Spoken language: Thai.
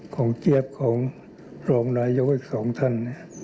ของเจี๊ยบของรองนายกอีก๒ท่าน